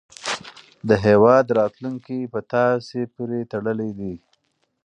د هیواد راتلونکی په تاسې پورې تړلی دی.